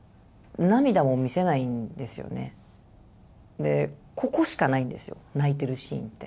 でここしかないんですよ泣いてるシーンって。